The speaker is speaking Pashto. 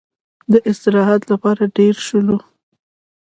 د استراحت لپاره دېره شولو.